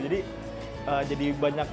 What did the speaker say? jadi jadi banyak